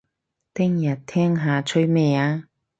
諗下聽日吹咩吖